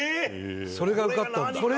それが受かったんだ！